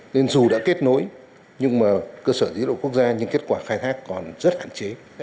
nên dù đã kết nối nhưng mà cơ sở dữ liệu quốc gia nhưng kết quả khai thác còn rất hạn chế